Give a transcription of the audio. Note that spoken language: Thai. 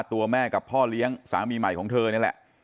ตัวแม่กับพ่อเลี้ยงสามีใหม่ของเธอนี่แหละ